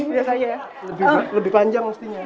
lebih panjang mestinya